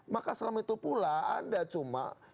maka selama itu pula anda cuma